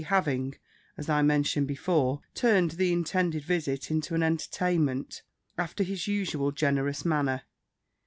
having, as I mentioned before, turned the intended visit into an entertainment, after his usual generous manner.